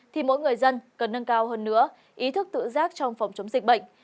thì mỗi người dân cần nâng cao hơn nữa ý thức tự giác trong phòng chống dịch bệnh